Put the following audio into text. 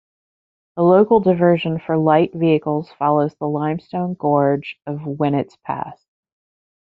A local diversion for light vehicles follows the limestone gorge of Winnats Pass.